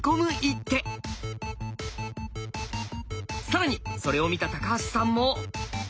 更にそれを見た橋さんも。